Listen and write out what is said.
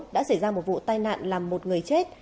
đã xảy ra một vụ tai nạn làm một người chết